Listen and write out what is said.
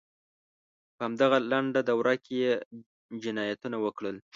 په همدغه لنډه دوره کې یې جنایتونه وکړل.